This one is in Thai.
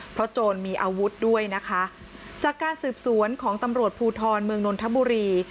เพราะโจรมีอาวุธด้วยนะคะจากการสืบสวนของตำรวจภูทรเมืองนนทบุรี